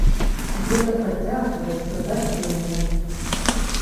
Гэта працягваецца да сёння.